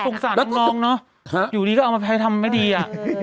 สงสารทุกนองเนอะอยู่นี้ก็เอามาแพ้ทำไม่ดีอ่ะ